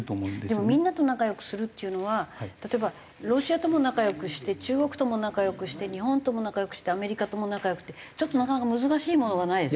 でもみんなと仲良くするっていうのは例えばロシアとも仲良くして中国とも仲良くして日本とも仲良くしてアメリカとも仲良くってちょっとなかなか難しいものがないですか？